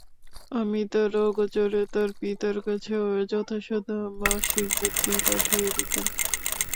আমি তাঁর অগোচরে তাঁর পিতার কাছে যথাসাধ্য মাসিক বৃত্তি পাঠিয়ে দিতুম।